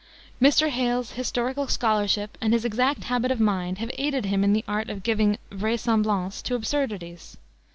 Mr. Hale's historical scholarship and his exact habit of mind have aided him in the art of giving vraisemblance to absurdities.